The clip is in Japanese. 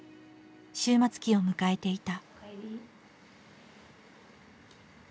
終末期を迎えていた。